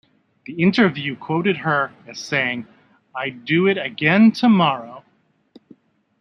The interview quoted her as saying, I'd do it again tomorrow.